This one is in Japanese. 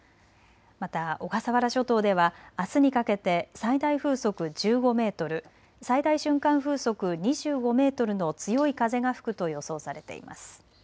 また小笠原諸島ではあすにかけて最大風速１５メートル、最大瞬間風速２５メートルの強い風が吹くと予想されています。